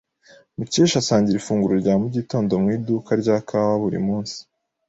Mukesha asangira ifunguro rya mugitondo mu iduka rya kawa buri munsi.